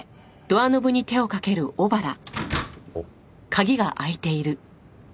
あっ。